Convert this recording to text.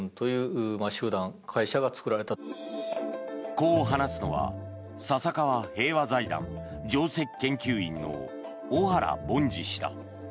こう話すのは笹川平和財団上席研究員の小原凡司氏だ。